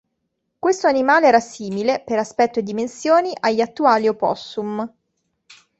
Questo animale era simile, per aspetto e dimensioni, agli attuali opossum.